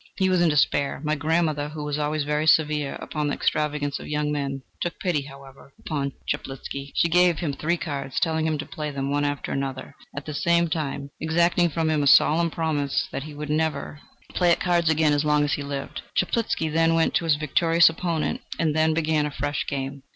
He was in despair. My grandmother, who was always very severe upon the extravagance of young men, took pity, however, upon Chaplitzky. She gave him three cards, telling him to play them one after the other, at the same time exacting from him a solemn promise that he would never play at cards again as long as he lived. Chaplitzky then went to his victorious opponent, and they began a fresh game.